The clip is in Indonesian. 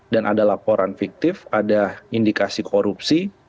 dan ada laporan fiktif ada indikasi korupsi